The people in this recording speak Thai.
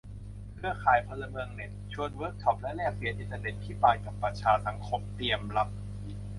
เครือข่ายพลเมืองเน็ต ชวนเวิร์กช็อปและแลกเปลี่ยน "อินเทอร์เน็ตภิบาลกับประชาสังคม" เตรียมรับ